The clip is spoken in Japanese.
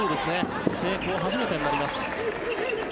成功、初めてになります。